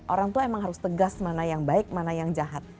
orang tua emang harus tegas mana yang baik mana yang jahat